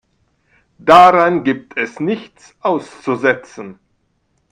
Daran gibt es nichts auszusetzen.